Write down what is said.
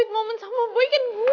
terima kasih memang